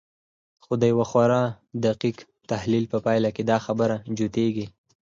خو د يوه خورا دقيق تحليل په پايله کې دا خبره جوتېږي.